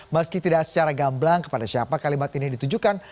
meski tidak secara gamblang kepada siapa kalimat ini ditujukan